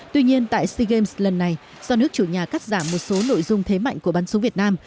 tuy nhiên tại sea games lần này do nước chủ nhà cắt giảm một số nội dung thế mạnh của bắn súng việt nam